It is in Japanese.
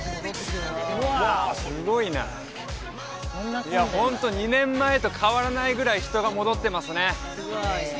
すごいなホント２年前と変わらないぐらい人が戻ってますね